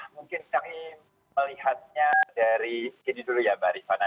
mungkin yang melihatnya dari ini dulu ya mbak arifatna